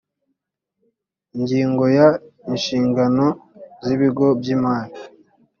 ingingo ya ishingano z ibigo by imari